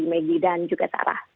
maggie dan juga sarah